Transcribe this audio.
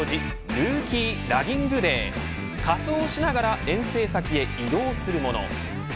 ルーキー・ラギング・デー仮装しながら遠征先へ移動するもの。